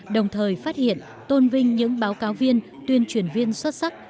đồng thời phát hiện tôn vinh những báo cáo viên tuyên truyền viên xuất sắc